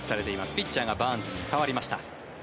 ピッチャーがバーンズに代わりました。